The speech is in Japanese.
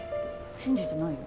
信じてないよ。